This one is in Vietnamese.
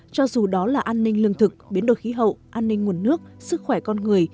cho dù đó là an ninh lương thực biến đổi khí hậu an ninh nguồn nước sức khỏe con người